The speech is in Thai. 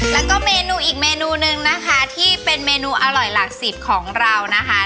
แล้วก็เมนูอีกเมนูนึงนะคะที่เป็นเมนูอร่อยหลักสิบของเรานะคะ